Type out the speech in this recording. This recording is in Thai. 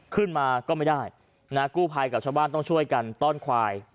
ขึ้นมาก็ไม่ได้นะกู้ภัยกับชาวบ้านต้องช่วยกันต้อนควาย